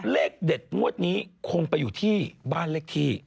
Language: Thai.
เลขเด็ดงวดนี้คงไปอยู่ที่บ้านเลขที่